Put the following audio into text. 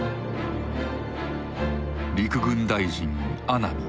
陸軍大臣阿南。